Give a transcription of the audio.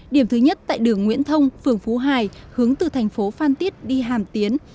điểm thứ nhất tại đường nguyễn thông phường phú hải hướng từ thành phố phan tiết đi hàm tiến